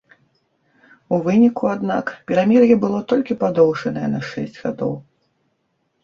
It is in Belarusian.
У выніку, аднак, перамір'е было толькі падоўжанае на шэсць гадоў.